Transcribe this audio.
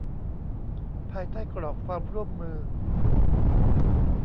ภายใต้กรอบความร่วมมือ